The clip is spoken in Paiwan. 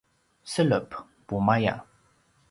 selep: pumaya